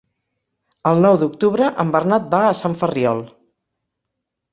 El nou d'octubre en Bernat va a Sant Ferriol.